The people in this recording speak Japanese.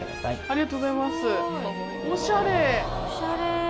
ありがとうございます。